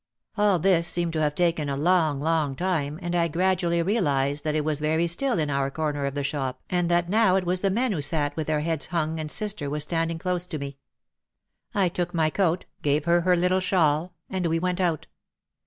All this seemed to have taken a long, long time and I gradu ally realised that it was very still in our corner of the shop and that now it was the men who sat with their heads hung and sister was standing close to me. I took my coat, gave her her little shawl, and we went out.